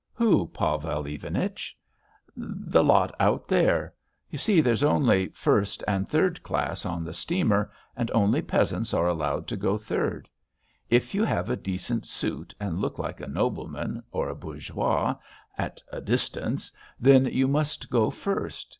"Who, Pavel Ivanich?" "The lot out there.... You see there's only first and third class on the steamer, and only peasants are allowed to go third. If you have a decent suit, and look like a nobleman or a bourgeois, at a distance, then you must go first.